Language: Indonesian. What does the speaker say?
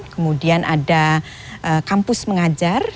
kemudian ada kampus mengajar